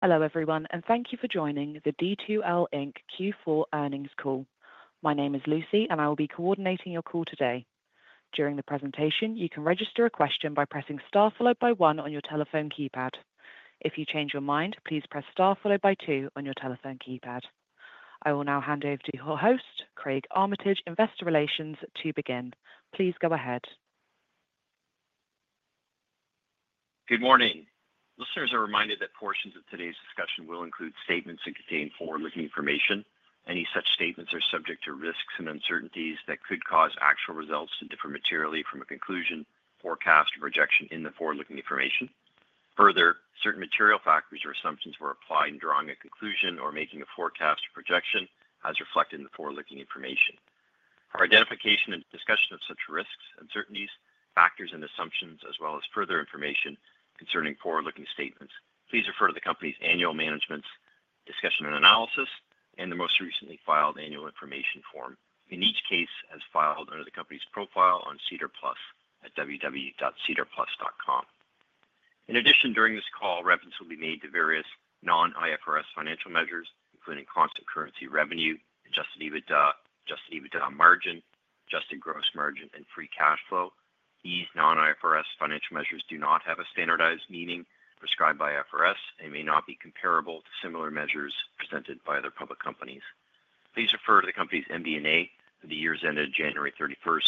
Hello, everyone, and thank you for joining the D2L Q4 earnings call. My name is Lucy, and I will be coordinating your call today. During the presentation, you can register a question by pressing star followed by one on your telephone keypad. If you change your mind, please press star followed by two on your telephone keypad. I will now hand over to your host, Craig Armitage, Investor Relations, to begin. Please go ahead. Good morning. Listeners are reminded that portions of today's discussion will include statements that contain forward-looking information. Any such statements are subject to risks and uncertainties that could cause actual results to differ materially from a conclusion, forecast, or projection in the forward-looking information. Further, certain material factors or assumptions were applied in drawing a conclusion or making a forecast or projection as reflected in the forward-looking information. For identification and discussion of such risks, uncertainties, factors, and assumptions, as well as further information concerning forward-looking statements, please refer to the company's annual management's discussion and analysis and the most recently filed annual information form. In each case, as filed under the company's profile on SEDAR+ at www.sedarplus.com. In addition, during this call, reference will be made to various non-IFRS financial measures, including constant currency revenue, adjusted EBITDA, adjusted EBITDA margin, adjusted gross margin, and free cash flow. These non-IFRS financial measures do not have a standardized meaning prescribed by IFRS and may not be comparable to similar measures presented by other public companies. Please refer to the company's MD&A for the years ended January 31,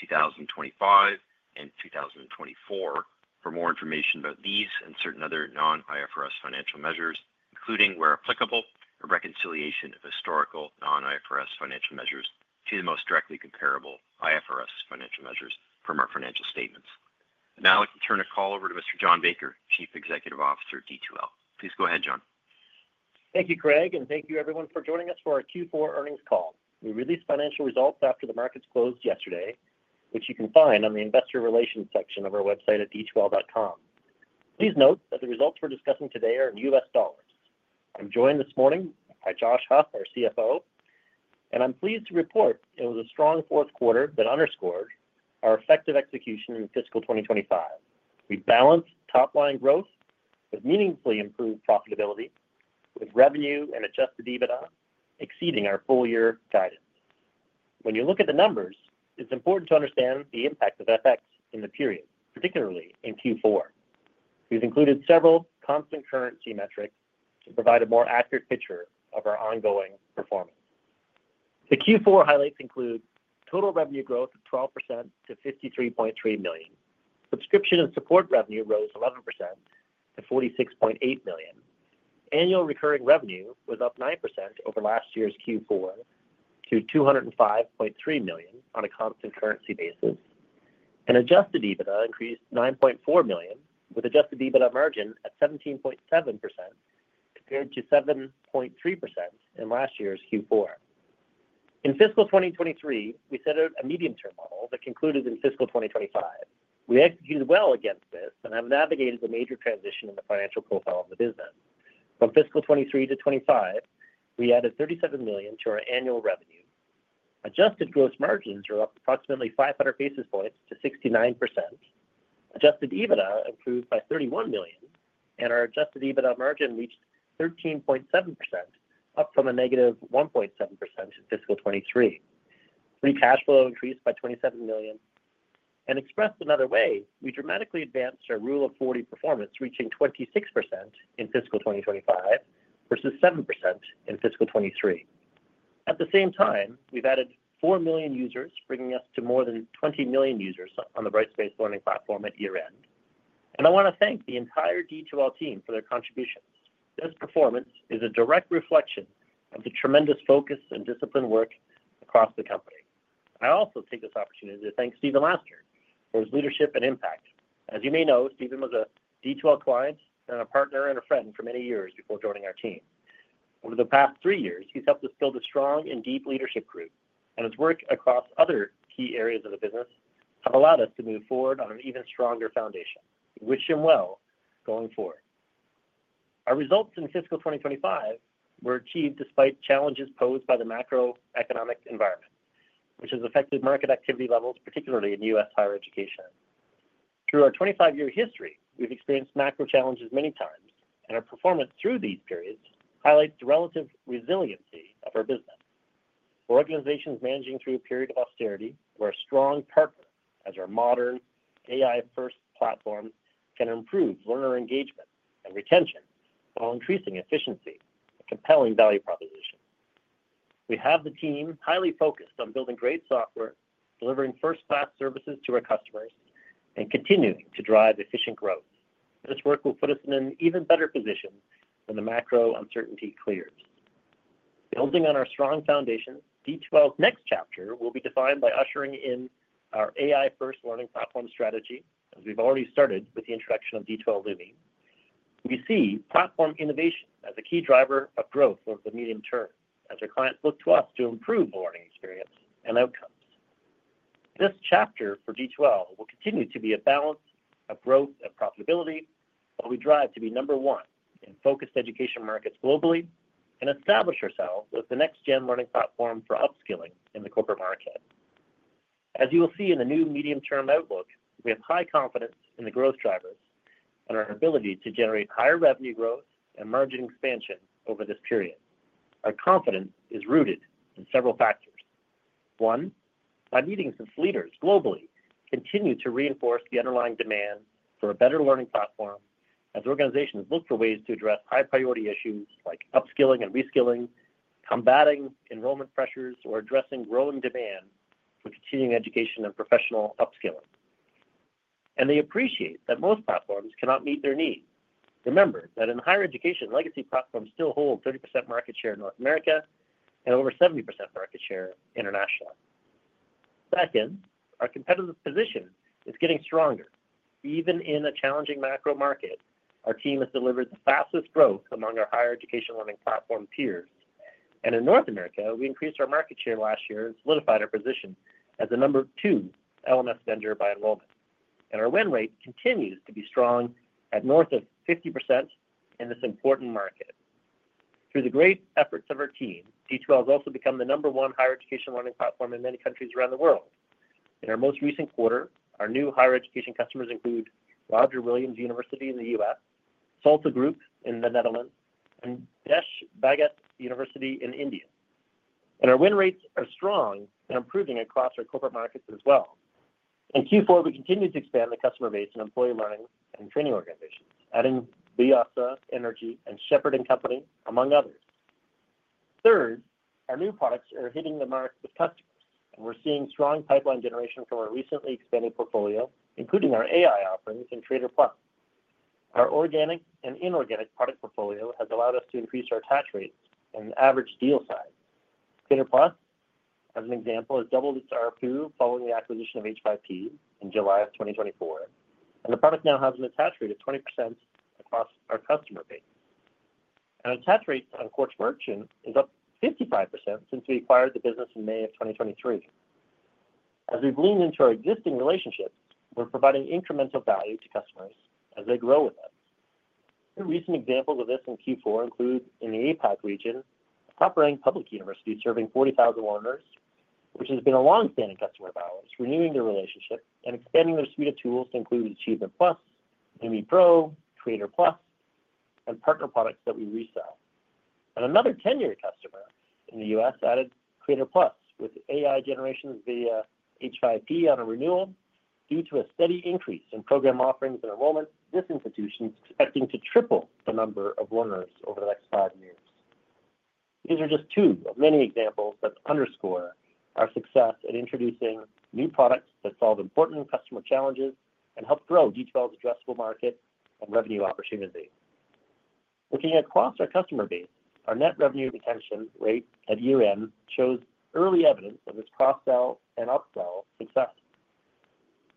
2025, and 2024 for more information about these and certain other non-IFRS financial measures, including, where applicable, a reconciliation of historical non-IFRS financial measures to the most directly comparable IFRS financial measures from our financial statements. Now, I'd like to turn the call over to Mr. John Baker, Chief Executive Officer of D2L. Please go ahead, John. Thank you, Craig, and thank you, everyone, for joining us for our Q4 earnings call. We released financial results after the markets closed yesterday, which you can find on the Investor Relations section of our website at d2l.com. Please note that the results we're discussing today are in U.S. dollars. I'm joined this morning by Josh Huff, our CFO, and I'm pleased to report it was a strong fourth quarter that underscored our effective execution in fiscal 2025. We balanced top-line growth with meaningfully improved profitability, with revenue and adjusted EBITDA exceeding our full-year guidance. When you look at the numbers, it's important to understand the impact of FX in the period, particularly in Q4. We've included several constant currency metrics to provide a more accurate picture of our ongoing performance. The Q4 highlights include total revenue growth of 12% to $53.3 million. Subscription and support revenue rose 11% to $46.8 million. Annual recurring revenue was up 9% over last year's Q4 to $205.3 million on a constant currency basis. Adjusted EBITDA increased $9.4 million, with adjusted EBITDA margin at 17.7% compared to 7.3% in last year's Q4. In fiscal 2023, we set out a medium-term model that concluded in fiscal 2025. We executed well against this and have navigated the major transition in the financial profile of the business. From fiscal 2023 to 2025, we added $37 million to our annual revenue. Adjusted gross margins are up approximately 500 basis points to 69%. Adjusted EBITDA improved by $31 million, and our adjusted EBITDA margin reached 13.7%, up from a negative 1.7% in fiscal 2023. Free cash flow increased by $27 million. Expressed another way, we dramatically advanced our rule of 40 performance, reaching 26% in fiscal 2025 versus 7% in fiscal 2023. At the same time, we have added 4 million users, bringing us to more than 20 million users on the Brightspace Learning Platform at year-end. I want to thank the entire D2L team for their contributions. This performance is a direct reflection of the tremendous focus and disciplined work across the company. I also take this opportunity to thank Stephen Laster for his leadership and impact. As you may know, Stephen was a D2L client and a partner and a friend for many years before joining our team. Over the past three years, he has helped us build a strong and deep leadership group, and his work across other key areas of the business has allowed us to move forward on an even stronger foundation. We wish him well going forward. Our results in fiscal 2025 were achieved despite challenges posed by the macroeconomic environment, which has affected market activity levels, particularly in U.S. higher education. Through our 25-year history, we've experienced macro challenges many times, and our performance through these periods highlights the relative resiliency of our business. Organizations managing through a period of austerity were a strong partner as our modern AI-first platform can improve learner engagement and retention while increasing efficiency and compelling value proposition. We have the team highly focused on building great software, delivering first-class services to our customers, and continuing to drive efficient growth. This work will put us in an even better position when the macro uncertainty clears. Building on our strong foundation, D2L's next chapter will be defined by ushering in our AI-first learning platform strategy, as we've already started with the introduction of D2L Learning. We see platform innovation as a key driver of growth over the medium term as our clients look to us to improve the learning experience and outcomes. This chapter for D2L will continue to be a balance of growth and profitability while we drive to be number one in focused education markets globally and establish ourselves as the next-gen learning platform for upskilling in the corporate market. As you will see in the new medium-term outlook, we have high confidence in the growth drivers and our ability to generate higher revenue growth and margin expansion over this period. Our confidence is rooted in several factors. One, by meetings with leaders globally, we continue to reinforce the underlying demand for a better learning platform as organizations look for ways to address high-priority issues like upskilling and reskilling, combating enrollment pressures, or addressing growing demand for continuing education and professional upskilling. They appreciate that most platforms cannot meet their needs. Remember that in higher education, legacy platforms still hold 30% market share in North America and over 70% market share internationally. Our competitive position is getting stronger. Even in a challenging macro market, our team has delivered the fastest growth among our higher education learning platform peers. In North America, we increased our market share last year and solidified our position as the number two LMS vendor by enrollment. Our win rate continues to be strong at north of 50% in this important market. Through the great efforts of our team, D2L has also become the number one higher education learning platform in many countries around the world. In our most recent quarter, our new higher education customers include Roger Williams University in the U.S., Salta Group in the Netherlands, and Desh Bhagat University in India. Our win rates are strong and improving across our corporate markets as well. In Q4, we continue to expand the customer base in employee learning and training organizations, adding Vistra Energy, and Shepherd & Company, among others. Third, our new products are hitting the market with customers, and we're seeing strong pipeline generation from our recently expanded portfolio, including our AI offerings and Creator+. Our organic and inorganic product portfolio has allowed us to increase our attach rates and average deal size. Creator+, as an example, has doubled its ARPU following the acquisition of H5P in July of 2024, and the product now has an attach rate of 20% across our customer base. Our attach rate on Course Merchant is up 55% since we acquired the business in May of 2023. As we've leaned into our existing relationships, we're providing incremental value to customers as they grow with us. Recent examples of this in Q4 include in the APAC region, a top-ranked public university serving 40,000 learners, which has been a long-standing customer of ours, renewing their relationship and expanding their suite of tools to include Achievement+, NV Pro, Creator+, and partner products that we resell. Another 10-year customer in the U.S. added Creator+ with AI generations via H5P on a renewal. Due to a steady increase in program offerings and enrollment, this institution is expecting to triple the number of learners over the next five years. These are just two of many examples that underscore our success at introducing new products that solve important customer challenges and help grow D2L's addressable market and revenue opportunity. Looking across our customer base, our net revenue retention rate at year-end shows early evidence of its cross-sell and up-sell success.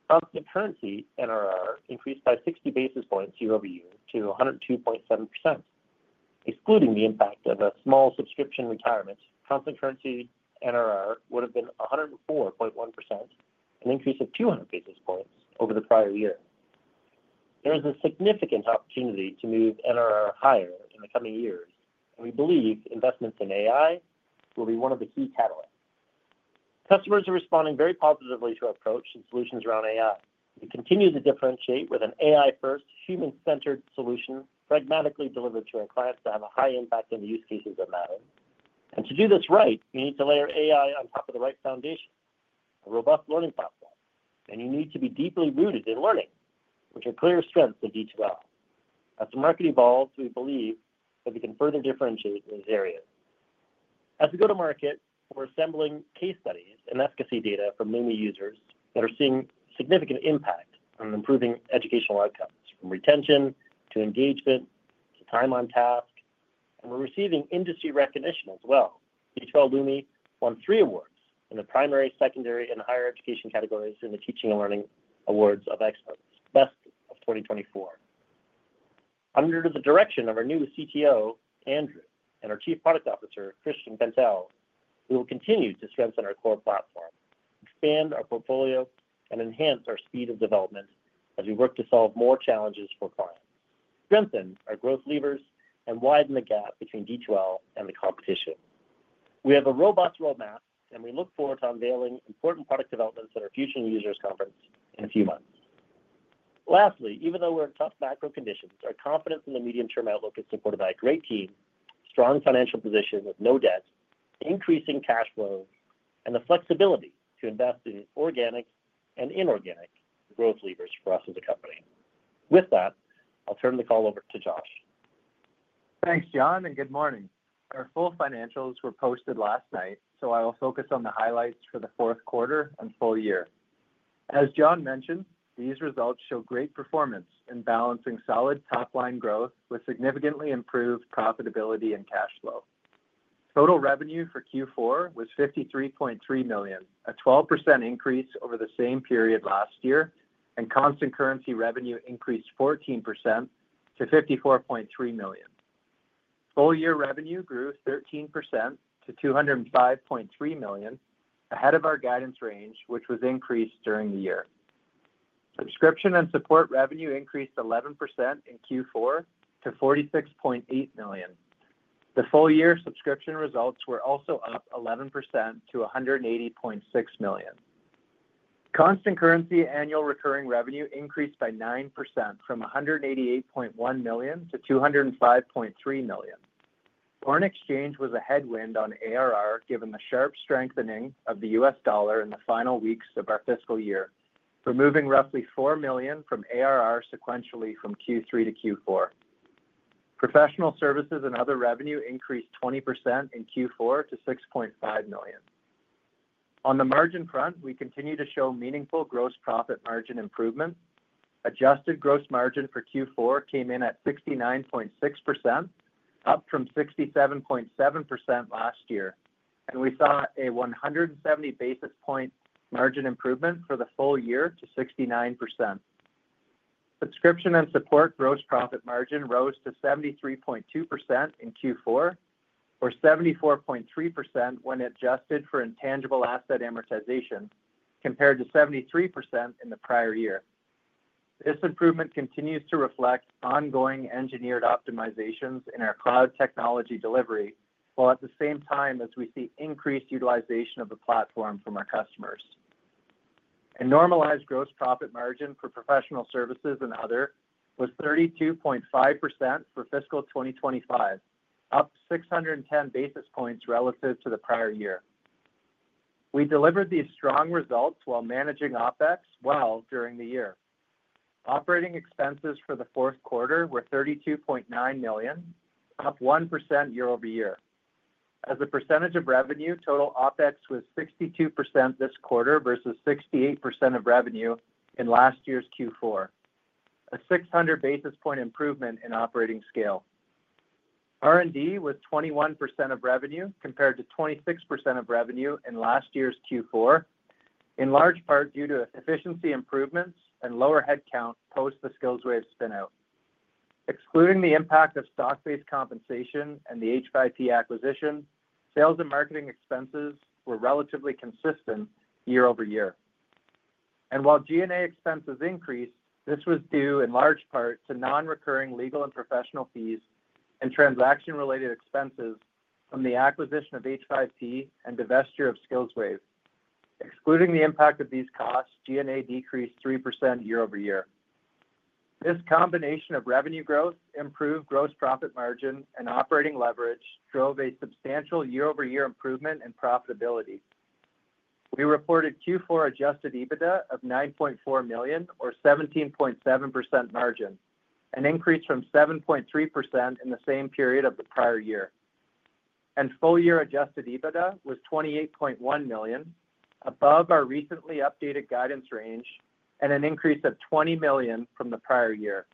Constant currency NRR increased by 60 basis points year-over-year to 102.7%. Excluding the impact of a small subscription retirement, constant currency NRR would have been 104.1%, an increase of 200 basis points over the prior year. There is a significant opportunity to move NRR higher in the coming years, and we believe investments in AI will be one of the key catalysts. Customers are responding very positively to our approach and solutions around AI. We continue to differentiate with an AI-first, human-centered solution pragmatically delivered to our clients to have a high impact on the use cases of that. To do this right, you need to layer AI on top of the right foundation, a robust learning platform, and you need to be deeply rooted in learning, which are clear strengths of D2L. As the market evolves, we believe that we can further differentiate in these areas. As we go to market, we are assembling case studies and efficacy data from D2L Lumi users that are seeing significant impact on improving educational outcomes, from retention to engagement to time on task. We are receiving industry recognition as well. D2L Lumi won three awards in the primary, secondary, and higher education categories in the Teaching and Learning Awards of Experts, Best of 2024. Under the direction of our new CTO, Andrew, and our Chief Product Officer, Christian Pantel, we will continue to strengthen our core platform, expand our portfolio, and enhance our speed of development as we work to solve more challenges for clients, strengthen our growth levers, and widen the gap between D2L and the competition. We have a robust roadmap, and we look forward to unveiling important product developments at our Future Users Conference in a few months. Lastly, even though we're in tough macro conditions, our confidence in the medium-term outlook is supported by a great team, strong financial position with no debt, increasing cash flow, and the flexibility to invest in organic and inorganic growth levers for us as a company. With that, I'll turn the call over to Josh. Thanks, John, and good morning. Our full financials were posted last night, so I will focus on the highlights for the fourth quarter and full year. As John mentioned, these results show great performance in balancing solid top-line growth with significantly improved profitability and cash flow. Total revenue for Q4 was $53.3 million, a 12% increase over the same period last year, and constant currency revenue increased 14% to $54.3 million. Full-year revenue grew 13% to $205.3 million ahead of our guidance range, which was increased during the year. Subscription and support revenue increased 11% in Q4 to $46.8 million. The full-year subscription results were also up 11% to $180.6 million. Constant currency annual recurring revenue increased by 9% from $188.1 million to $205.3 million. Foreign exchange was a headwind on ARR given the sharp strengthening of the U.S. Dollar in the final weeks of our fiscal year, removing roughly $4 million from ARR sequentially from Q3 to Q4. Professional services and other revenue increased 20% in Q4 to $6.5 million. On the margin front, we continue to show meaningful gross profit margin improvements. Adjusted gross margin for Q4 came in at 69.6%, up from 67.7% last year, and we saw a 170 basis point margin improvement for the full year to 69%. Subscription and support gross profit margin rose to 73.2% in Q4, or 74.3% when adjusted for intangible asset amortization, compared to 73% in the prior year. This improvement continues to reflect ongoing engineered optimizations in our cloud technology delivery, while at the same time as we see increased utilization of the platform from our customers. Normalized gross profit margin for Professional Services and other was 32.5% for fiscal 2025, up 610 basis points relative to the prior year. We delivered these strong results while managing OpEx well during the year. Operating expenses for the fourth quarter were $32.9 million, up 1% year-over-year. As a percentage of revenue, total OpEx was 62% this quarter versus 68% of revenue in last year's Q4, a 600 basis point improvement in operating scale. R&D was 21% of revenue compared to 26% of revenue in last year's Q4, in large part due to efficiency improvements and lower headcount post the SkillsWave spinout. Excluding the impact of stock-based compensation and the H5P acquisition, sales and marketing expenses were relatively consistent year-over-year. While G&A expenses increased, this was due in large part to non-recurring legal and professional fees and transaction-related expenses from the acquisition of H5P and divestiture of SkillsWave. Excluding the impact of these costs, G&A decreased 3% year-over-year. This combination of revenue growth, improved gross profit margin, and operating leverage drove a substantial year-over-year improvement in profitability. We reported Q4 adjusted EBITDA of $9.4 million, or 17.7% margin, an increase from $7.3 million in the same period of the prior year. Full-year adjusted EBITDA was $28.1 million, above our recently updated guidance range and an increase of $20 million from the prior year.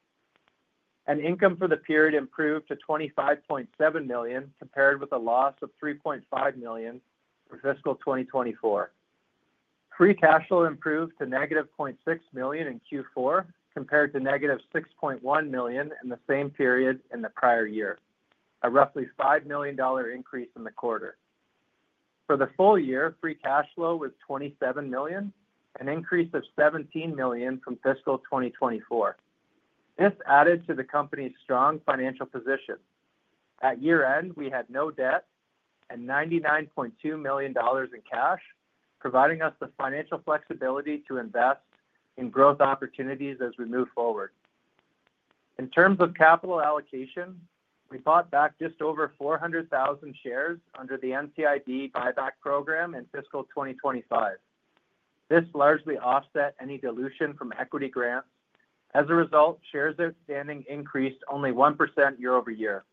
Income for the period improved to $25.7 million compared with a loss of $3.5 million for fiscal 2024. Free cash flow improved to negative $0.6 million in Q4 compared to negative $6.1 million in the same period in the prior year, a roughly $5 million increase in the quarter. For the full year, free cash flow was $27 million, an increase of $17 million from fiscal 2024. This added to the company's strong financial position. At year-end, we had no debt and $99.2 million in cash, providing us the financial flexibility to invest in growth opportunities as we move forward. In terms of capital allocation, we bought back just over 400,000 shares under the NCIB buyback program in fiscal 2025. This largely offset any dilution from equity grants. As a result, shares outstanding increased only 1% year-over-year.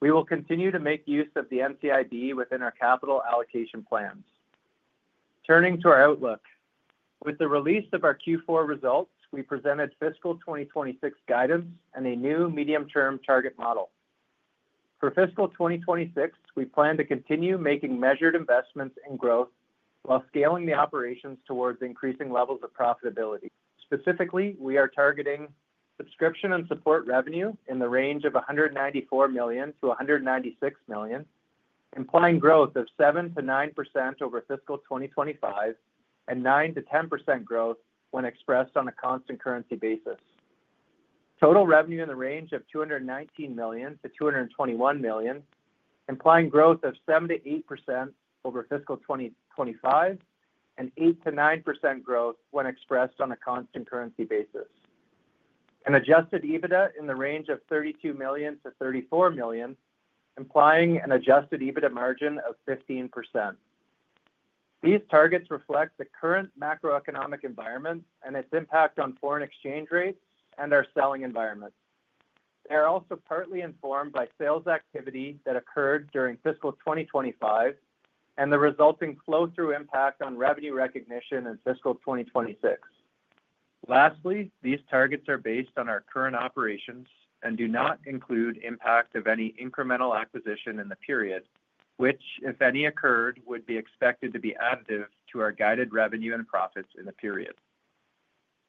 We will continue to make use of the NCIB within our capital allocation plans. Turning to our outlook, with the release of our Q4 results, we presented fiscal 2026 guidance and a new medium-term target model. For fiscal 2026, we plan to continue making measured investments in growth while scaling the operations towards increasing levels of profitability. Specifically, we are targeting subscription and support revenue in the range of $194 million-$196 million, implying growth of 7%-9% over fiscal 2025 and 9%-10% growth when expressed on a constant currency basis. Total revenue in the range of $219 million-$221 million, implying growth of 7%-8% over fiscal 2025 and 8%-9% growth when expressed on a constant currency basis. Adjusted EBITDA in the range of $32 million-$34 million, implying an adjusted EBITDA margin of 15%. These targets reflect the current macroeconomic environment and its impact on foreign exchange rates and our selling environment. They are also partly informed by sales activity that occurred during fiscal 2025 and the resulting flow-through impact on revenue recognition in fiscal 2026. Lastly, these targets are based on our current operations and do not include impact of any incremental acquisition in the period, which, if any occurred, would be expected to be additive to our guided revenue and profits in the period.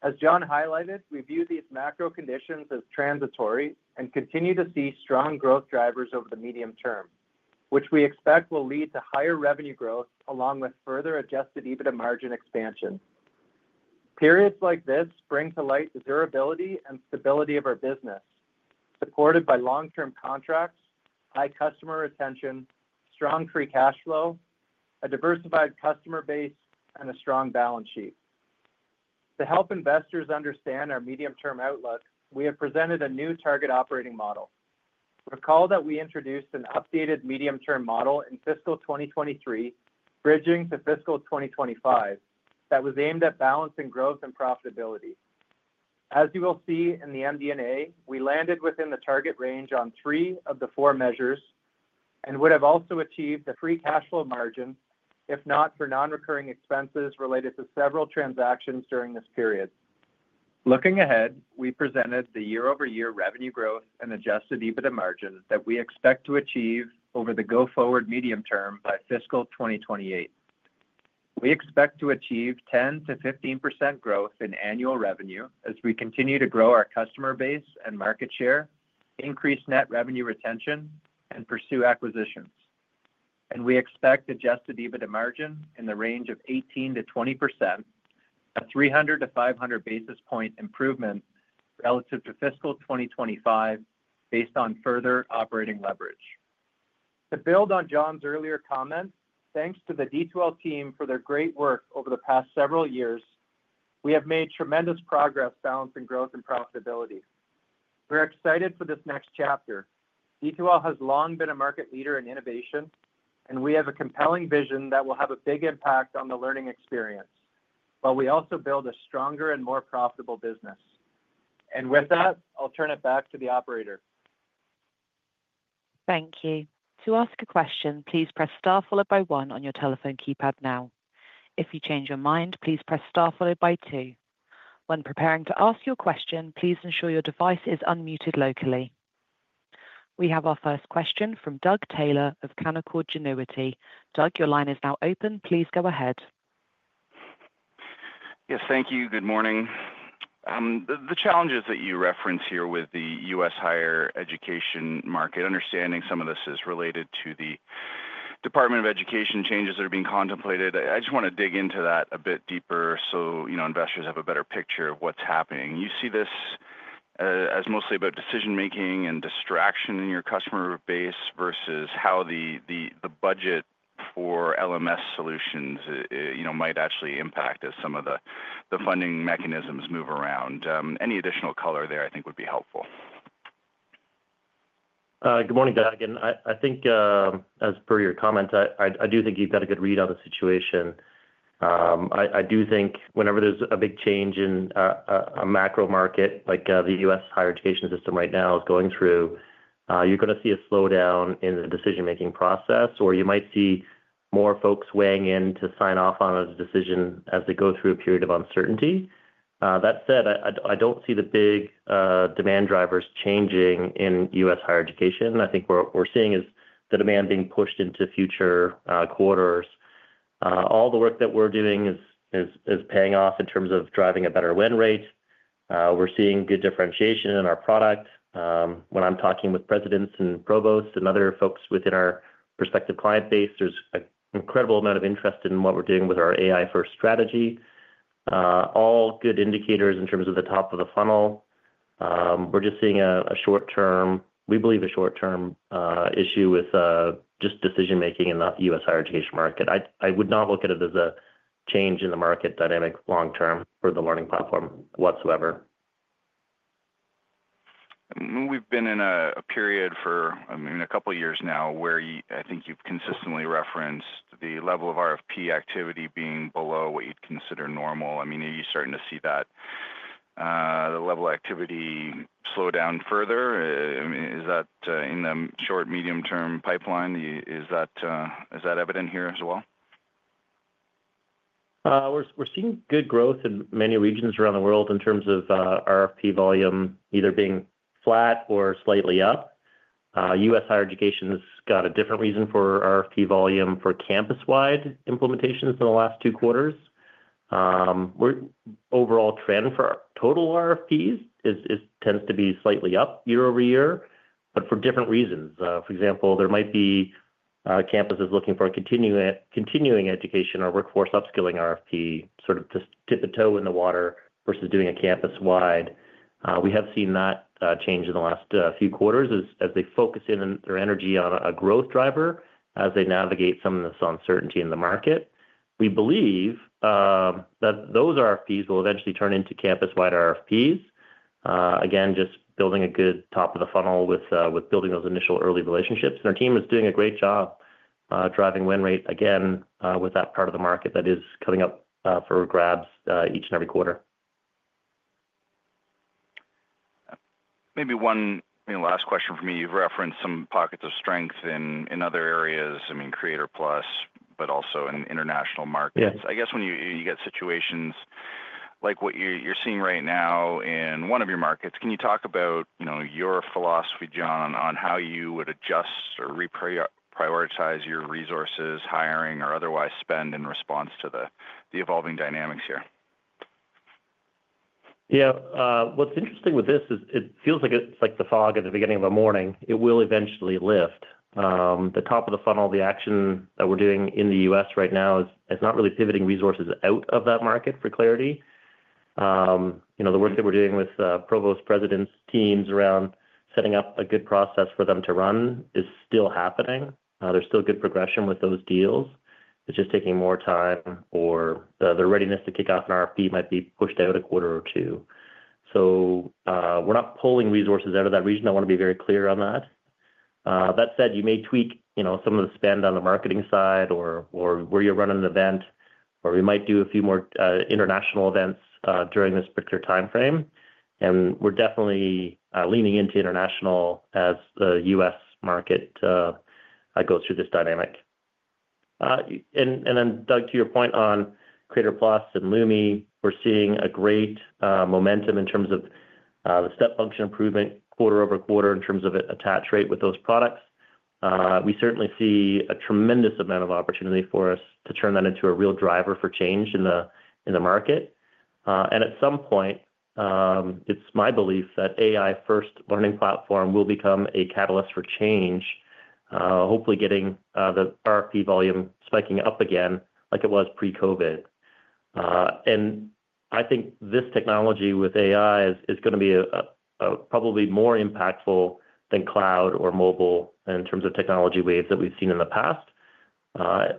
As John highlighted, we view these macro conditions as transitory and continue to see strong growth drivers over the medium term, which we expect will lead to higher revenue growth along with further adjusted EBITDA margin expansion. Periods like this bring to light the durability and stability of our business, supported by long-term contracts, high customer retention, strong free cash flow, a diversified customer base, and a strong balance sheet. To help investors understand our medium-term outlook, we have presented a new target operating model. Recall that we introduced an updated medium-term model in fiscal 2023, bridging to fiscal 2025, that was aimed at balancing growth and profitability. As you will see in the MD&A, we landed within the target range on three of the four measures and would have also achieved the free cash flow margin if not for non-recurring expenses related to several transactions during this period. Looking ahead, we presented the year-over-year revenue growth and adjusted EBITDA margin that we expect to achieve over the go-forward medium term by fiscal 2028. We expect to achieve 10%-15% growth in annual revenue as we continue to grow our customer base and market share, increase net revenue retention, and pursue acquisitions. We expect adjusted EBITDA margin in the range of 18%-20%, a 300-500 basis point improvement relative to fiscal 2025 based on further operating leverage. To build on John's earlier comments, thanks to the D2L team for their great work over the past several years, we have made tremendous progress balancing growth and profitability. We're excited for this next chapter. D2L has long been a market leader in innovation, and we have a compelling vision that will have a big impact on the learning experience, while we also build a stronger and more profitable business. With that, I'll turn it back to the operator. Thank you. To ask a question, please press star followed by one on your telephone keypad now. If you change your mind, please press star followed by two. When preparing to ask your question, please ensure your device is unmuted locally. We have our first question from Doug Taylor of Canaccord Genuity. Doug, your line is now open. Please go ahead. Yes, thank you. Good morning. The challenges that you reference here with the U.S. higher education market, understanding some of this is related to the Department of Education changes that are being contemplated, I just want to dig into that a bit deeper so investors have a better picture of what's happening. You see this as mostly about decision-making and distraction in your customer base versus how the budget for LMS solutions might actually impact as some of the funding mechanisms move around. Any additional color there, I think, would be helpful. Good morning, Doug. Again, I think, as per your comments, I do think you've got a good read on the situation. I do think whenever there's a big change in a macro market like the U.S. higher education system right now is going through, you're going to see a slowdown in the decision-making process, or you might see more folks weighing in to sign off on a decision as they go through a period of uncertainty. That said, I don't see the big demand drivers changing in U.S. higher education. I think what we're seeing is the demand being pushed into future quarters. All the work that we're doing is paying off in terms of driving a better win rate. We're seeing good differentiation in our product. When I'm talking with presidents and provosts and other folks within our prospective client base, there's an incredible amount of interest in what we're doing with our AI-first strategy. All good indicators in terms of the top of the funnel. We're just seeing a short-term, we believe a short-term issue with just decision-making in the U.S. higher education market. I would not look at it as a change in the market dynamic long-term for the learning platform whatsoever. We've been in a period for a couple of years now where I think you've consistently referenced the level of RFP activity being below what you'd consider normal. I mean, are you starting to see that the level of activity slow down further? Is that in the short, medium-term pipeline? Is that evident here as well? We're seeing good growth in many regions around the world in terms of RFP volume either being flat or slightly up. U.S. higher education has got a different reason for RFP volume for campus-wide implementations in the last two quarters. Overall trend for total RFPs tends to be slightly up year-over-year, but for different reasons. For example, there might be campuses looking for continuing education or workforce upskilling RFP sort of to tippy-toe in the water versus doing a campus-wide. We have seen that change in the last few quarters as they focus their energy on a growth driver as they navigate some of this uncertainty in the market. We believe that those RFPs will eventually turn into campus-wide RFPs, again, just building a good top of the funnel with building those initial early relationships. Our team is doing a great job driving win rate again with that part of the market that is coming up for grabs each and every quarter. Maybe one last question for me. You've referenced some pockets of strength in other areas, I mean, Creator+, but also in international markets. I guess when you get situations like what you're seeing right now in one of your markets, can you talk about your philosophy, John, on how you would adjust or reprioritize your resources, hiring, or otherwise spend in response to the evolving dynamics here? Yeah. What's interesting with this is it feels like it's like the fog at the beginning of a morning. It will eventually lift. The top of the funnel, the action that we're doing in the U.S. right now is not really pivoting resources out of that market for clarity. The work that we're doing with provost presidents' teams around setting up a good process for them to run is still happening. There's still good progression with those deals. It's just taking more time or the readiness to kick off an RFP might be pushed out a quarter or two. We are not pulling resources out of that region. I want to be very clear on that. That said, you may tweak some of the spend on the marketing side or where you're running the event, or we might do a few more international events during this particular time frame. We're definitely leaning into international as the U.S. market goes through this dynamic. Doug, to your point on Creator+ and Lumi, we're seeing great momentum in terms of the step function improvement quarter-over-quarter in terms of attach rate with those products. We certainly see a tremendous amount of opportunity for us to turn that into a real driver for change in the market. At some point, it's my belief that AI-first learning platform will become a catalyst for change, hopefully getting the RFP volume spiking up again like it was pre-COVID. I think this technology with AI is going to be probably more impactful than cloud or mobile in terms of technology waves that we've seen in the past.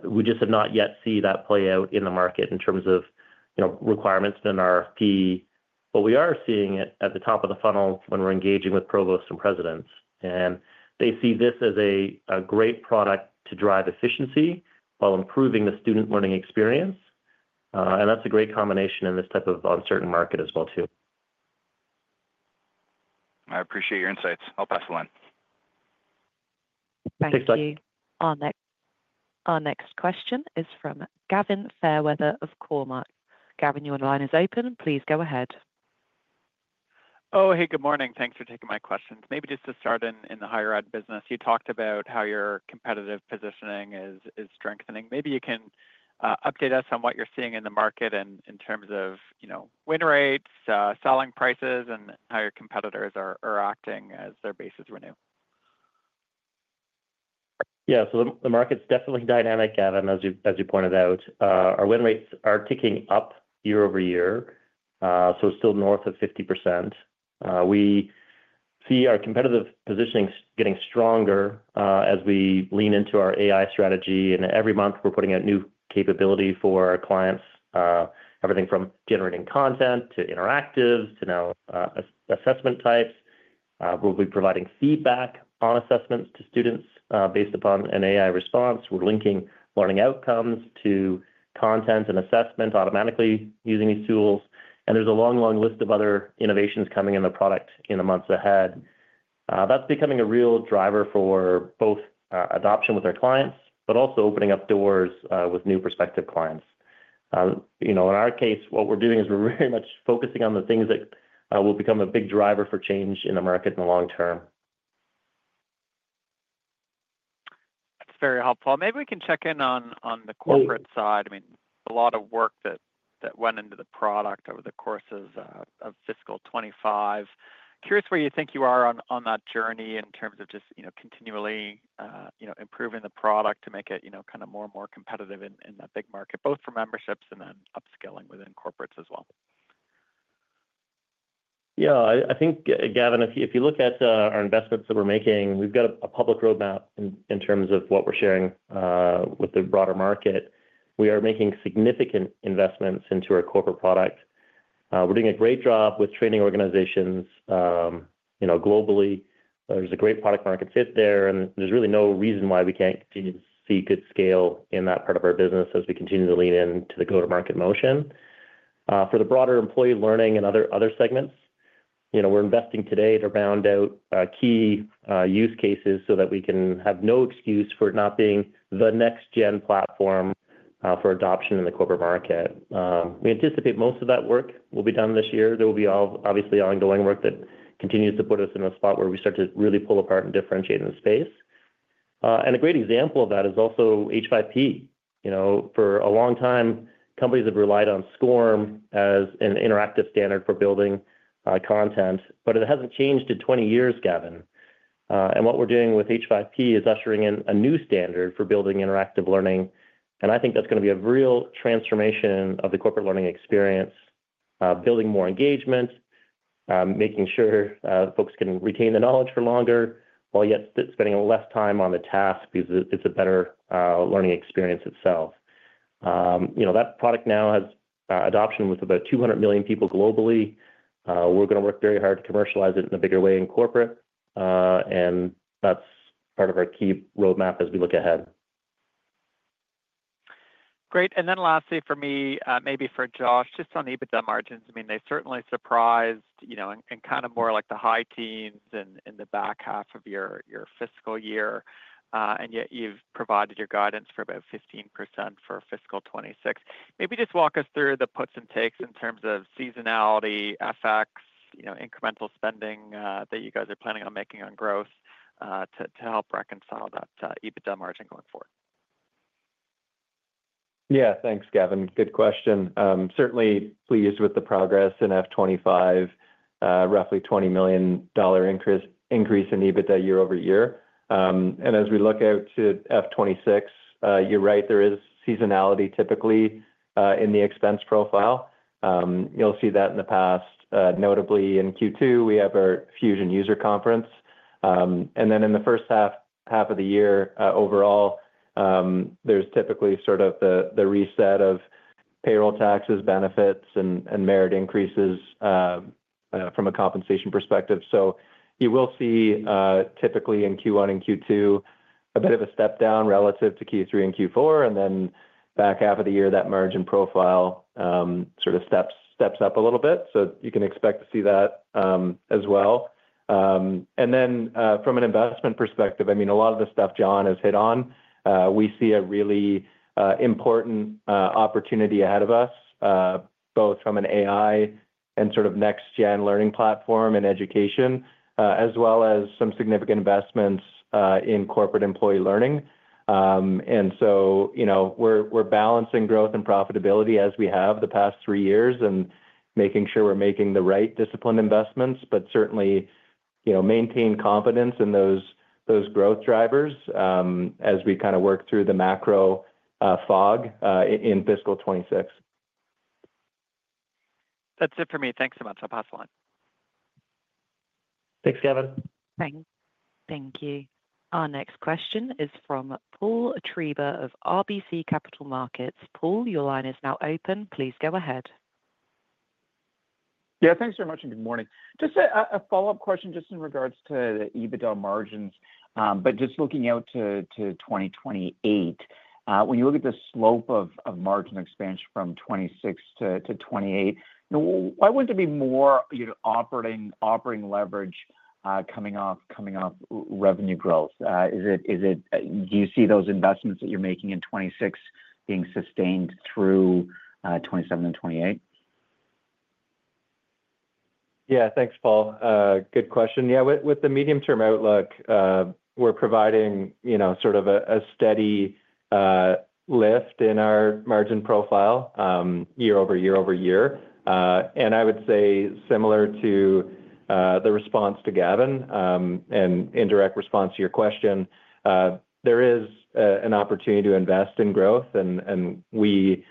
We just have not yet seen that play out in the market in terms of requirements in RFP, but we are seeing it at the top of the funnel when we're engaging with provosts and presidents. They see this as a great product to drive efficiency while improving the student learning experience. That is a great combination in this type of uncertain market as well, too. I appreciate your insights. I'll pass the line. Thanks, Doug. Thank you. Our next question is from Gavin Fairweather of Cormark. Gavin, your line is open. Please go ahead. Oh, hey, good morning. Thanks for taking my questions. Maybe just to start in the higher ed business, you talked about how your competitive positioning is strengthening. Maybe you can update us on what you're seeing in the market in terms of win rates, selling prices, and how your competitors are acting as their bases renew. Yeah. The market's definitely dynamic, Gavin, as you pointed out. Our win rates are ticking up year-over-year, so still north of 50%. We see our competitive positioning getting stronger as we lean into our AI strategy. Every month, we're putting out new capability for our clients, everything from generating content to interactives to now assessment types. We'll be providing feedback on assessments to students based upon an AI response. We're linking learning outcomes to content and assessment automatically using these tools. There's a long, long list of other innovations coming in the product in the months ahead. That's becoming a real driver for both adoption with our clients, but also opening up doors with new prospective clients. In our case, what we're doing is we're very much focusing on the things that will become a big driver for change in the market in the long term. That's very helpful. Maybe we can check in on the corporate side. I mean, a lot of work that went into the product over the course of fiscal 2025. Curious where you think you are on that journey in terms of just continually improving the product to make it kind of more and more competitive in that big market, both for memberships and then upskilling within corporates as well. Yeah. I think, Gavin, if you look at our investments that we're making, we've got a public roadmap in terms of what we're sharing with the broader market. We are making significant investments into our corporate product. We're doing a great job with training organizations globally. There's a great product market fit there, and there's really no reason why we can't continue to see good scale in that part of our business as we continue to lean into the go-to-market motion. For the broader employee learning and other segments, we're investing today to round out key use cases so that we can have no excuse for it not being the next-gen platform for adoption in the corporate market. We anticipate most of that work will be done this year. There will be obviously ongoing work that continues to put us in a spot where we start to really pull apart and differentiate in the space. A great example of that is also H5P. For a long time, companies have relied on SCORM as an interactive standard for building content, but it hasn't changed in 20 years, Gavin. What we're doing with H5P is ushering in a new standard for building interactive learning. I think that's going to be a real transformation of the corporate learning experience, building more engagement, making sure folks can retain the knowledge for longer while yet spending less time on the task because it's a better learning experience itself. That product now has adoption with about 200 million people globally. We're going to work very hard to commercialize it in a bigger way in corporate, and that's part of our key roadmap as we look ahead. Great. Lastly for me, maybe for Josh, just on EBITDA margins, I mean, they certainly surprised in kind of more like the high teens in the back half of your fiscal year, and yet you've provided your guidance for about 15% for fiscal 2026. Maybe just walk us through the puts and takes in terms of seasonality, FX, incremental spending that you guys are planning on making on growth to help reconcile that EBITDA margin going forward. Yeah. Thanks, Gavin. Good question. Certainly pleased with the progress in F25, roughly $20 million increase in EBITDA year-over-year. As we look out to F26, you're right, there is seasonality typically in the expense profile. You'll see that in the past, notably in Q2, we have our Fusion User Conference. In the first half of the year, overall, there's typically sort of the reset of payroll taxes, benefits, and merit increases from a compensation perspective. You will see typically in Q1 and Q2 a bit of a step down relative to Q3 and Q4, and then back half of the year, that margin profile sort of steps up a little bit. You can expect to see that as well. From an investment perspective, I mean, a lot of the stuff John has hit on, we see a really important opportunity ahead of us, both from an AI and sort of next-gen learning platform in education, as well as some significant investments in corporate employee learning. We are balancing growth and profitability as we have the past three years and making sure we are making the right discipline investments, but certainly maintain confidence in those growth drivers as we kind of work through the macro fog in fiscal 2026. That's it for me. Thanks so much. I'll pass the line. Thanks, Gavin. Thank you. Our next question is from Paul Treiber of RBC Capital Markets. Paul, your line is now open. Please go ahead. Yeah. Thanks very much and good morning. Just a follow-up question just in regards to the EBITDA margins, but just looking out to 2028, when you look at the slope of margin expansion from 2026 to 2028, why wouldn't there be more operating leverage coming off revenue growth? Do you see those investments that you're making in 2026 being sustained through 2027 and 2028? Yeah. Thanks, Paul. Good question. Yeah. With the medium-term outlook, we're providing sort of a steady lift in our margin profile year-over-year-over-year. I would say similar to the response to Gavin and indirect response to your question, there is an opportunity to invest in growth, and we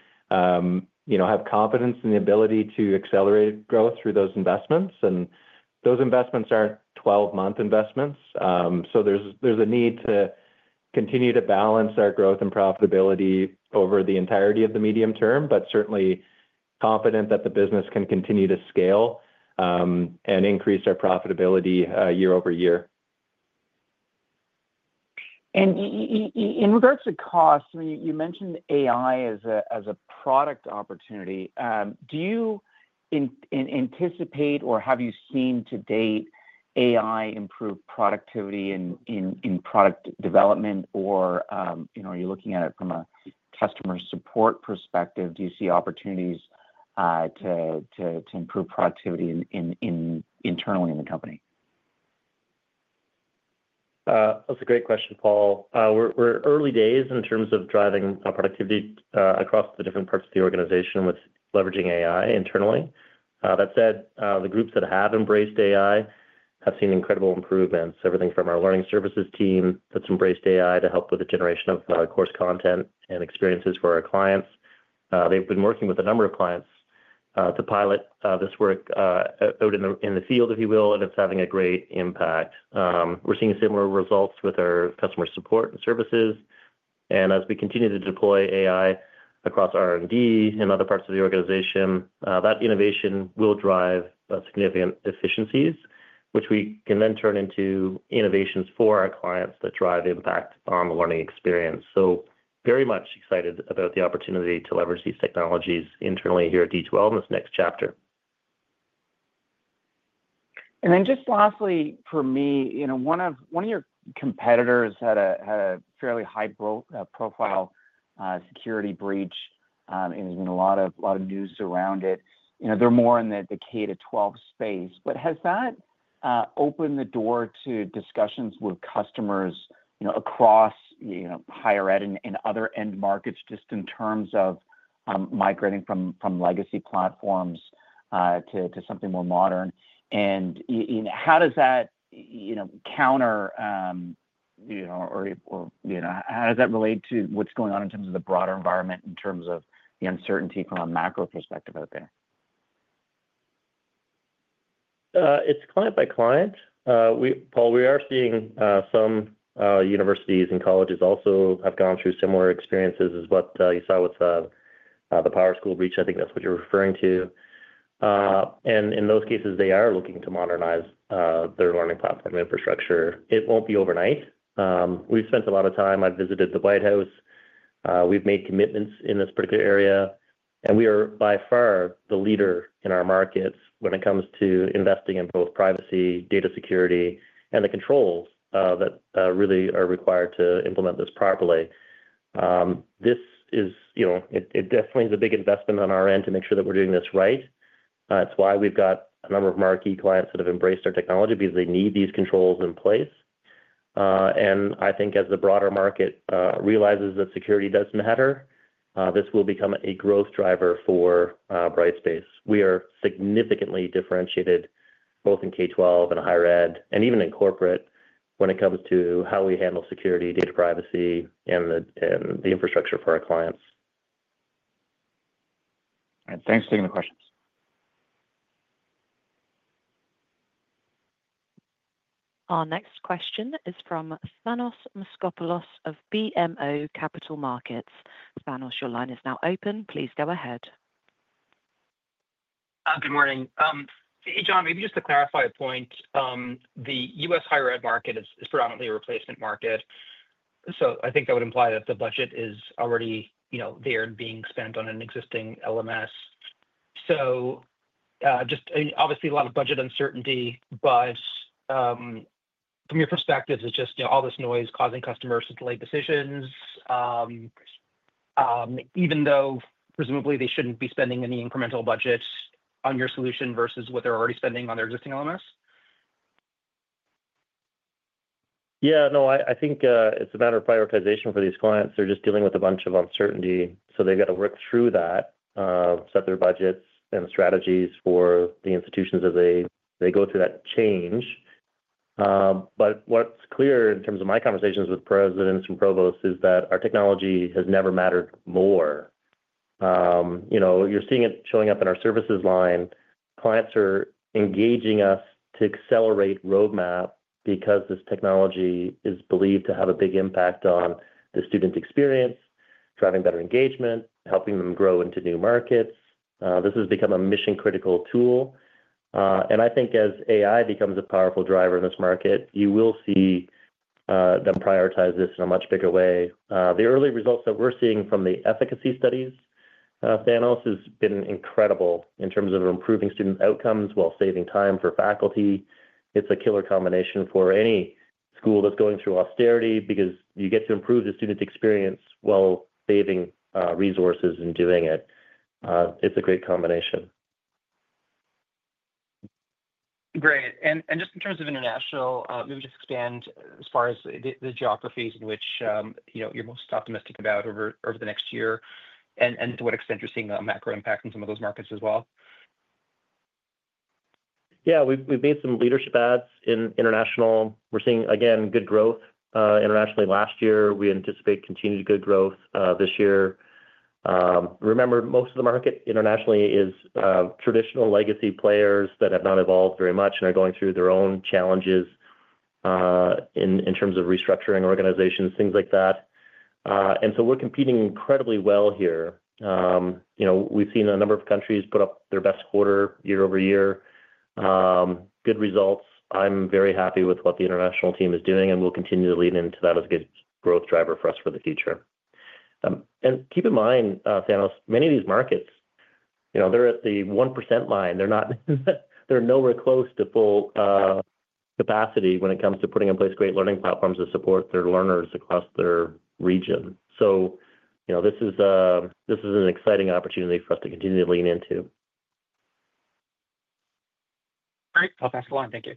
have confidence in the ability to accelerate growth through those investments. Those investments aren't 12-month investments. There is a need to continue to balance our growth and profitability over the entirety of the medium term, but certainly confident that the business can continue to scale and increase our profitability year-over-year. In regards to cost, you mentioned AI as a product opportunity. Do you anticipate or have you seen to date AI improve productivity in product development, or are you looking at it from a customer support perspective? Do you see opportunities to improve productivity internally in the company? That's a great question, Paul. We're early days in terms of driving productivity across the different parts of the organization with leveraging AI internally. That said, the groups that have embraced AI have seen incredible improvements, everything from our learning services team that's embraced AI to help with the generation of course content and experiences for our clients. They've been working with a number of clients to pilot this work out in the field, if you will, and it's having a great impact. We're seeing similar results with our customer support and services. As we continue to deploy AI across R&D and other parts of the organization, that innovation will drive significant efficiencies, which we can then turn into innovations for our clients that drive impact on the learning experience. Very much excited about the opportunity to leverage these technologies internally here at D2L in this next chapter. Lastly, for me, one of your competitors had a fairly high-profile security breach, and there's been a lot of news around it. They're more in the K to 12 space. Has that opened the door to discussions with customers across higher ed and other end markets just in terms of migrating from legacy platforms to something more modern? How does that counter, or how does that relate to what's going on in terms of the broader environment in terms of the uncertainty from a macro perspective out there? It's client by client. Paul, we are seeing some universities and colleges also have gone through similar experiences as what you saw with the PowerSchool breach. I think that's what you're referring to. In those cases, they are looking to modernize their learning platform infrastructure. It won't be overnight. We've spent a lot of time. I've visited the White House. We've made commitments in this particular area, and we are by far the leader in our markets when it comes to investing in both privacy, data security, and the controls that really are required to implement this properly. This is definitely the big investment on our end to make sure that we're doing this right. It's why we've got a number of marquee clients that have embraced our technology because they need these controls in place. I think as the broader market realizes that security does matter, this will become a growth driver for Brightspace. We are significantly differentiated both in K-12 and higher ed, and even in corporate when it comes to how we handle security, data privacy, and the infrastructure for our clients. All right. Thanks for taking the questions. Our next question is from Thanos Moschopoulos of BMO Capital Markets. Thanos, your line is now open. Please go ahead. Good morning. Hey, John, maybe just to clarify a point. The U.S. higher ed market is predominantly a replacement market. I think that would imply that the budget is already there and being spent on an existing LMS. Obviously, a lot of budget uncertainty, but from your perspective, is all this noise causing customers to delay decisions, even though presumably they should not be spending any incremental budgets on your solution versus what they are already spending on their existing LMS? Yeah. No, I think it's a matter of prioritization for these clients. They're just dealing with a bunch of uncertainty, so they've got to work through that, set their budgets and strategies for the institutions as they go through that change. What is clear in terms of my conversations with presidents and provosts is that our technology has never mattered more. You're seeing it showing up in our services line. Clients are engaging us to accelerate roadmap because this technology is believed to have a big impact on the student experience, driving better engagement, helping them grow into new markets. This has become a mission-critical tool. I think as AI becomes a powerful driver in this market, you will see them prioritize this in a much bigger way. The early results that we're seeing from the efficacy studies, Thanos, have been incredible in terms of improving student outcomes while saving time for faculty. It's a killer combination for any school that's going through austerity because you get to improve the student experience while saving resources in doing it. It's a great combination. Great. Just in terms of international, maybe just expand as far as the geographies in which you're most optimistic about over the next year and to what extent you're seeing a macro impact in some of those markets as well. Yeah. We've made some leadership ads in international. We're seeing, again, good growth internationally. Last year, we anticipate continued good growth this year. Remember, most of the market internationally is traditional legacy players that have not evolved very much and are going through their own challenges in terms of restructuring organizations, things like that. We're competing incredibly well here. We've seen a number of countries put up their best quarter year-over-year, good results. I'm very happy with what the international team is doing, and we'll continue to lean into that as a good growth driver for us for the future. Keep in mind, Thanos, many of these markets, they're at the 1% line. They're nowhere close to full capacity when it comes to putting in place great learning platforms that support their learners across their region. This is an exciting opportunity for us to continue to lean into. All right. I'll pass the line. Thank you.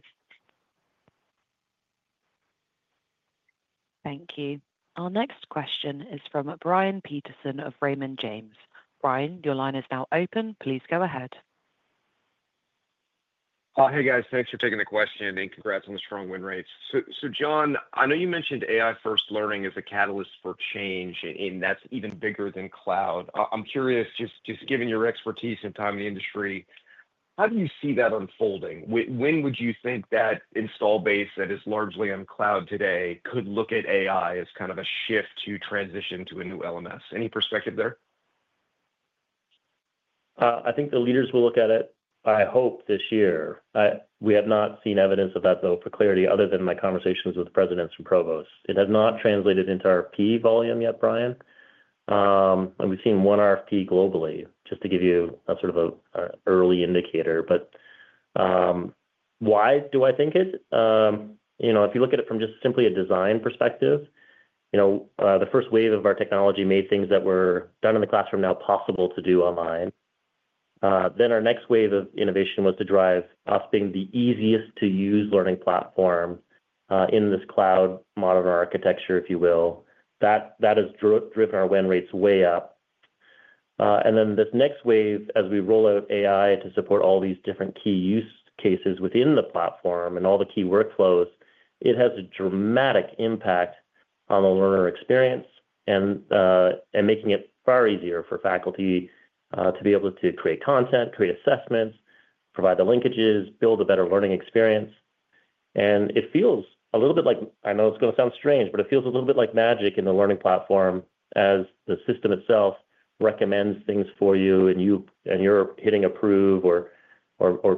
Thank you. Our next question is from Brian Peterson of Raymond James. Brian, your line is now open. Please go ahead. Hey, guys. Thanks for taking the question, and congrats on the strong win rates. John, I know you mentioned AI-first learning is a catalyst for change, and that's even bigger than cloud. I'm curious, just given your expertise and time in the industry, how do you see that unfolding? When would you think that install base that is largely on cloud today could look at AI as kind of a shift to transition to a new LMS? Any perspective there? I think the leaders will look at it, I hope, this year. We have not seen evidence of that, though, for clarity, other than my conversations with presidents and provosts. It has not translated into RFP volume yet, Brian. We have seen one RFP globally, just to give you sort of an early indicator. Why do I think it? If you look at it from just simply a design perspective, the first wave of our technology made things that were done in the classroom now possible to do online. Our next wave of innovation was to drive us being the easiest-to-use learning platform in this cloud model or architecture, if you will. That has driven our win rates way up. This next wave, as we roll out AI to support all these different key use cases within the platform and all the key workflows, has a dramatic impact on the learner experience and makes it far easier for faculty to be able to create content, create assessments, provide the linkages, build a better learning experience. It feels a little bit like—I know it's going to sound strange—but it feels a little bit like magic in the learning platform as the system itself recommends things for you, and you're hitting approve or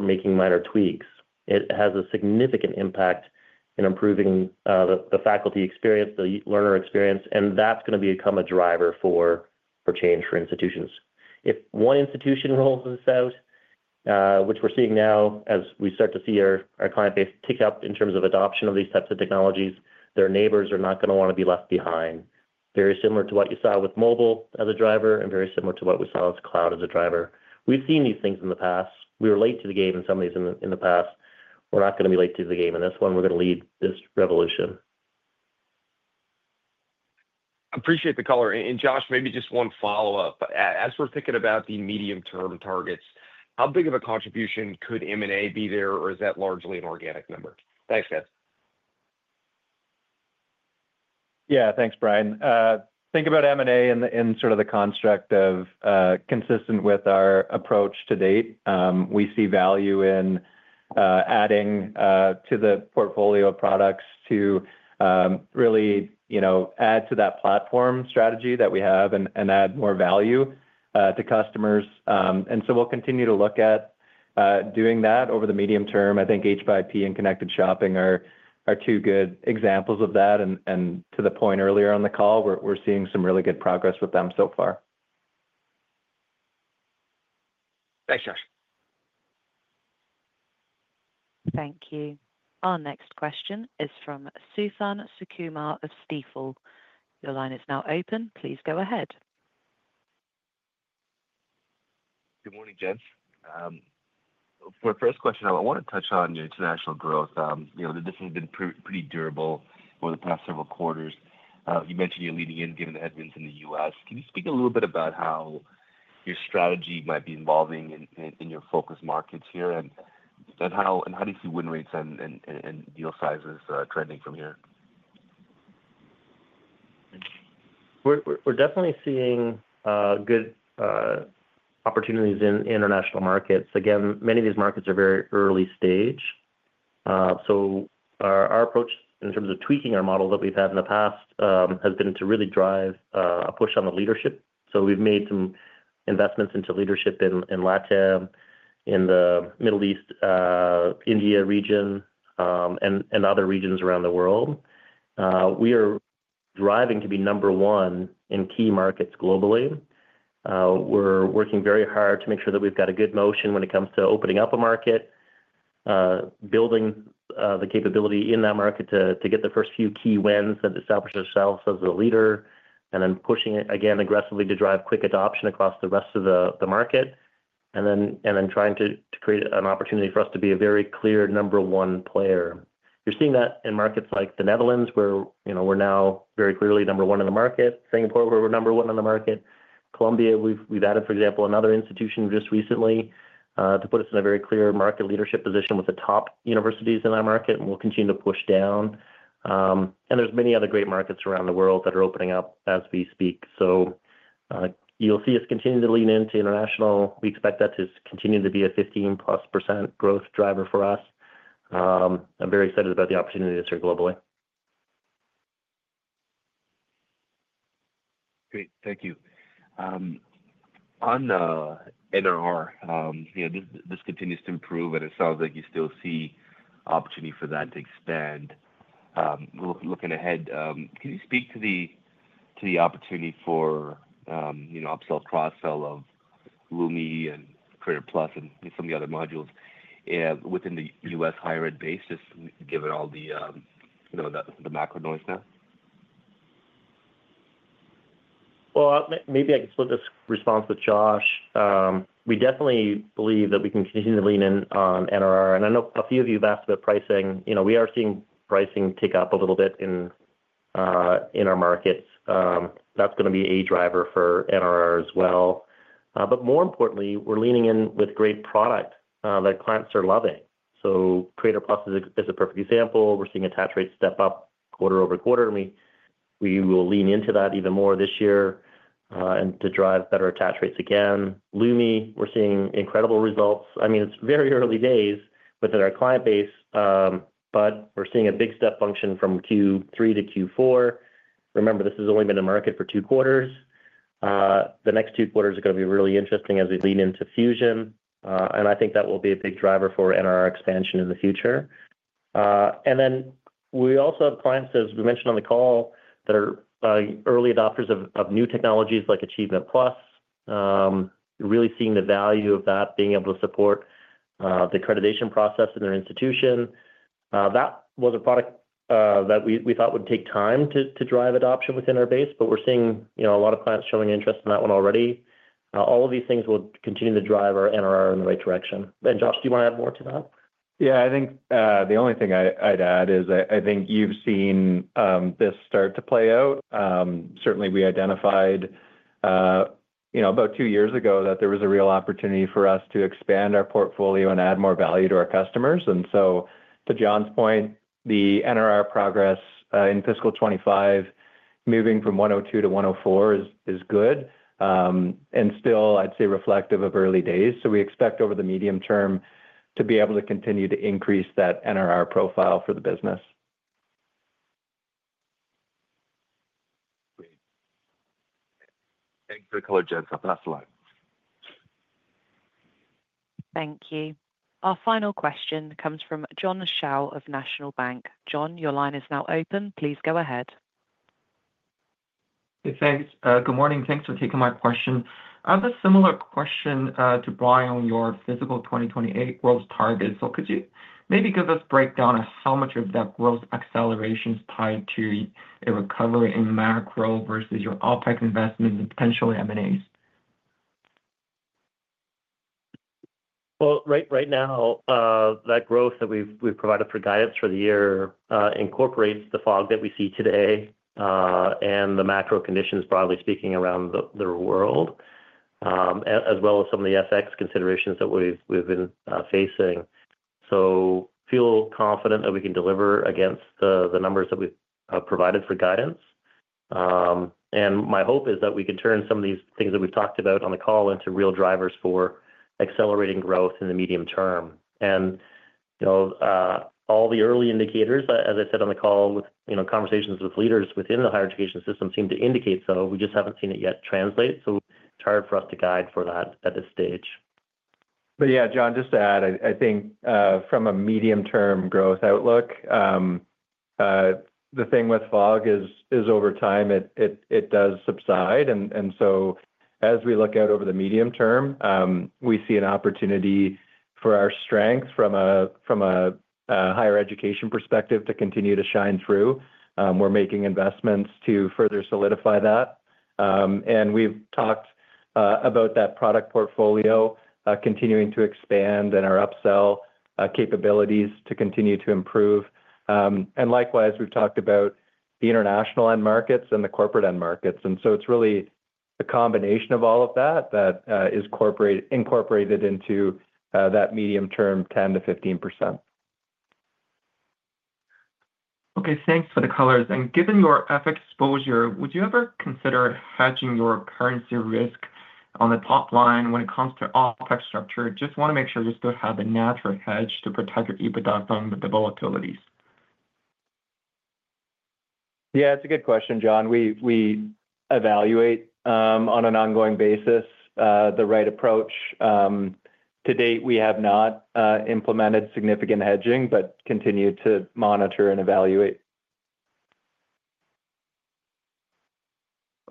making minor tweaks. It has a significant impact in improving the faculty experience, the learner experience, and that's going to become a driver for change for institutions. If one institution rolls this out, which we're seeing now as we start to see our client base tick up in terms of adoption of these types of technologies, their neighbors are not going to want to be left behind. Very similar to what you saw with mobile as a driver and very similar to what we saw with cloud as a driver. We've seen these things in the past. We were late to the game in some of these in the past. We're not going to be late to the game in this one. We're going to lead this revolution. Appreciate the color. Josh, maybe just one follow-up. As we're thinking about the medium-term targets, how big of a contribution could M&A be there, or is that largely an organic number? Thanks, guys. Yeah. Thanks, Brian. Think about M&A in sort of the construct of consistent with our approach to date. We see value in adding to the portfolio of products to really add to that platform strategy that we have and add more value to customers. We'll continue to look at doing that over the medium term. I think H5P and Connected Shopping are two good examples of that. To the point earlier on the call, we're seeing some really good progress with them so far. Thanks, Josh. Thank you. Our next question is from Suthan Sukumar of Stifel. Your line is now open. Please go ahead. Good morning, gents. For our first question, I want to touch on international growth. This has been pretty durable over the past several quarters. You mentioned you're leading in given the headwinds in the U.S. Can you speak a little bit about how your strategy might be evolving in your focus markets here, and how do you see win rates and deal sizes trending from here? We're definitely seeing good opportunities in international markets. Again, many of these markets are very early stage. Our approach in terms of tweaking our model that we've had in the past has been to really drive a push on the leadership. We've made some investments into leadership in LATAM, in the Middle East, India region, and other regions around the world. We are driving to be number one in key markets globally. We're working very hard to make sure that we've got a good motion when it comes to opening up a market, building the capability in that market to get the first few key wins and establish ourselves as a leader, and then pushing it again aggressively to drive quick adoption across the rest of the market, and then trying to create an opportunity for us to be a very clear number one player. You're seeing that in markets like the Netherlands, where we're now very clearly number one in the market. Singapore, where we're number one in the market. Colombia, we've added, for example, another institution just recently to put us in a very clear market leadership position with the top universities in that market, and we'll continue to push down. There are many other great markets around the world that are opening up as we speak. You'll see us continue to lean into international. We expect that to continue to be a 15%+ growth driver for us. I'm very excited about the opportunity to see it globally. Great. Thank you. On NRR, this continues to improve, and it sounds like you still see opportunity for that to expand. Looking ahead, can you speak to the opportunity for upsell cross-sell of Lumi and Creator+ and some of the other modules within the U.S. higher ed base just given all the macro noise now? Maybe I can split this response with Josh. We definitely believe that we can continue to lean in on NRR. I know a few of you have asked about pricing. We are seeing pricing tick up a little bit in our markets. That is going to be a driver for NRR as well. More importantly, we are leaning in with great product that clients are loving. Creator+ is a perfect example. We are seeing attach rates step up quarter-over-quarter, and we will lean into that even more this year to drive better attach rates again. Lumi, we are seeing incredible results. I mean, it is very early days within our client base, but we are seeing a big step function from Q3 to Q4. Remember, this has only been in market for two quarters. The next two quarters are going to be really interesting as we lean into Fusion. I think that will be a big driver for NRR expansion in the future. We also have clients, as we mentioned on the call, that are early adopters of new technologies like Achievement Plus. Really seeing the value of that, being able to support the accreditation process in their institution. That was a product that we thought would take time to drive adoption within our base, but we're seeing a lot of clients showing interest in that one already. All of these things will continue to drive our NRR in the right direction. Josh, do you want to add more to that? Yeah. I think the only thing I'd add is I think you've seen this start to play out. Certainly, we identified about two years ago that there was a real opportunity for us to expand our portfolio and add more value to our customers. To John's point, the NRR progress in fiscal 2025 moving from 102% to 104% is good and still, I'd say, reflective of early days. We expect over the medium term to be able to continue to increase that NRR profile for the business. Great. Thank you for the color, Jens. I'll pass the line. Thank you. Our final question comes from John Hall of National Bank. John, your line is now open. Please go ahead. Hey, thanks. Good morning. Thanks for taking my question. I have a similar question to Brian on your fiscal 2028 growth targets. Could you maybe give us a breakdown of how much of that growth acceleration is tied to a recovery in macro versus your OpEx investment and potentially M&As? Right now, that growth that we've provided for guidance for the year incorporates the fog that we see today and the macro conditions, broadly speaking, around the world, as well as some of the FX considerations that we've been facing. I feel confident that we can deliver against the numbers that we've provided for guidance. My hope is that we can turn some of these things that we've talked about on the call into real drivers for accelerating growth in the medium term. All the early indicators, as I said on the call, with conversations with leaders within the higher education system seem to indicate so. We just haven't seen it yet translate. It's hard for us to guide for that at this stage. Yeah, John, just to add, I think from a medium-term growth outlook, the thing with fog is over time it does subside. As we look out over the medium term, we see an opportunity for our strength from a higher education perspective to continue to shine through. We're making investments to further solidify that. We've talked about that product portfolio continuing to expand and our upsell capabilities to continue to improve. Likewise, we've talked about the international end markets and the corporate end markets. It's really a combination of all of that that is incorporated into that medium-term 10%-15%. Okay. Thanks for the colors. Given your FX exposure, would you ever consider hedging your currency risk on the top line when it comes to OpEx structure? Just want to make sure you still have a natural hedge to protect your EBITDA from the volatilities. Yeah. It's a good question, John. We evaluate on an ongoing basis the right approach. To date, we have not implemented significant hedging but continue to monitor and evaluate.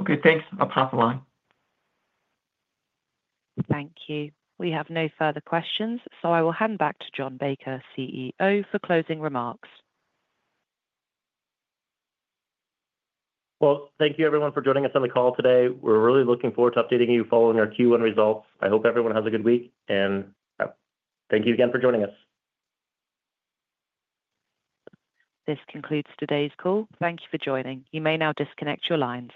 Okay. Thanks. I'll pass the line. Thank you. We have no further questions. I will hand back to John Baker, CEO, for closing remarks. Thank you, everyone, for joining us on the call today. We're really looking forward to updating you following our Q1 results. I hope everyone has a good week. Thank you again for joining us. This concludes today's call. Thank you for joining. You may now disconnect your lines.